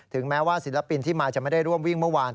แม้ว่าศิลปินที่มาจะไม่ได้ร่วมวิ่งเมื่อวาน